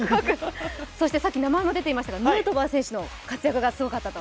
さっき名前が出てましたがヌートバー選手の活躍がすごかったと。